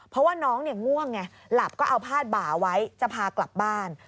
เพราะว่าน้องง่วงไงหลับก็เอาพาดบ่าไว้จะพากลับบ้าน